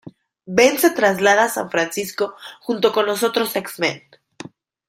Ben se traslada a San Francisco junto con los otros X-Men.